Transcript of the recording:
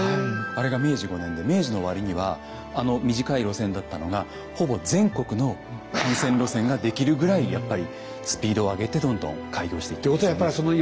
あれが明治５年で明治の終わりにはあの短い路線だったのがほぼ全国の幹線路線が出来るぐらいやっぱりスピードを上げてどんどん開業していったんですよね。